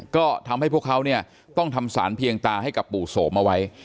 ก็ทำให้พวกเขาเนี่ยต้องทำสารเพียงตาให้กับปู่โสมเอาไว้